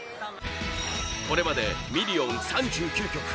これまでミリオン３９曲